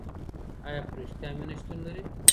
آیا په رښتیا مینه شتون لري؟